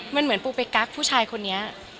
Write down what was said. มันเหมือนปูไปกักผู้ชายคนนี้